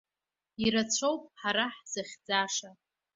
Ирацәоуп ҳара ҳзыхьӡаша.